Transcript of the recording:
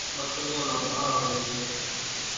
ٻڪريان نون ڌڻ هوئيَ سي۔